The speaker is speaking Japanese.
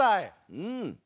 うん！